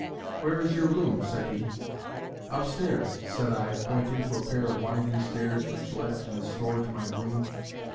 'Where is your room?' said he. 'Up stairs,' said I, pointing to a pair of winding stairs which led from the store to my room.